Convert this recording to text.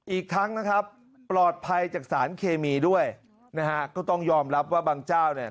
อีกทั้งนะครับปลอดภัยจากสารเคมีด้วยนะฮะก็ต้องยอมรับว่าบางเจ้าเนี่ย